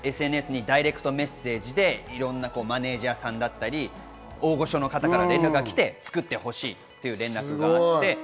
ＳＮＳにダイレクトメッセージで、いろんなマネジャーさんだったり、大御所の方から連絡が来て、作ってほしいと。